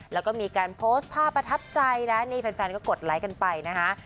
แล้วก็มีการโพสต์ภาพประทับใจนะนี่แฟนก็กดไลค์กันไปนะคะ